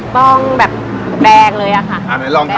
ต้องแบบแรงเลยอะค่ะ